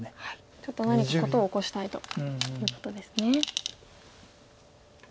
ちょっと何か事を起こしたいということですね。